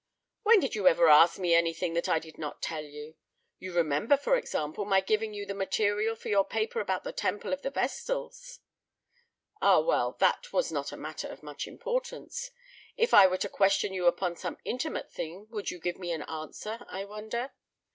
"When did you ever ask me anything that I did not tell you? You remember, for example, my giving you the material for your paper about the temple of the Vestals." "Ah, well, that was not a matter of much importance. If I were to question you upon some intimate thing would you give me an answer, I wonder!